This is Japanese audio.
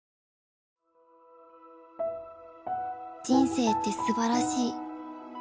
人生ってすばらしい。